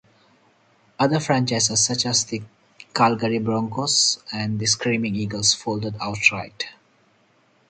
Other franchises, such as the Calgary Broncos and the Screaming Eagles, folded outright.